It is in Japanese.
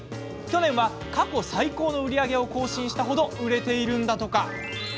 去年は過去最高の売り上げを更新した程売れているんだとか。